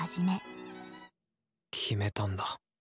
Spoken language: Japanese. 決めたんだ。